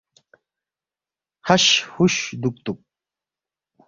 ہش ہُوش دُوکتُوک